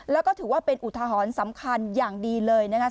แล้วก็ถือว่าเป็นอุทหรณ์สำคัญอย่างดีเลยนะคะ